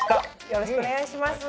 よろしくお願いします。